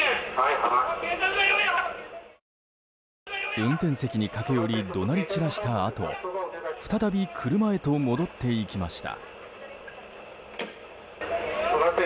運転席に駆け寄り怒鳴り散らしたあと再び車へと戻っていきました。